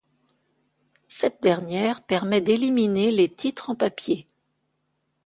Cette dernière permet d'éliminer les titres en papier.